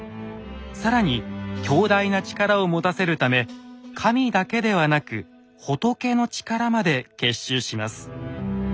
更に強大な力を持たせるため神だけではなく仏の力まで結集します。